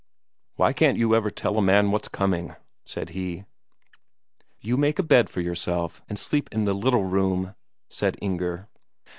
"Why can't you ever tell a man what's coming?" said he. "You make a bed for yourself and sleep in the little room," said Inger.